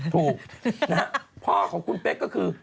ถูกนะฮะพ่อของคุณเป๊กก็คือ